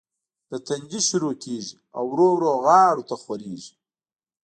د تندي نه شورو کيږي او ورو ورو غاړو ته خوريږي